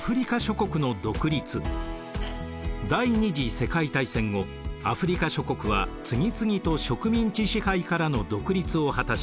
第二次世界大戦後アフリカ諸国は次々と植民地支配からの独立を果たし